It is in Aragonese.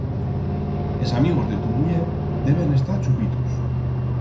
Es amigos de tu muller deben estar chupitos.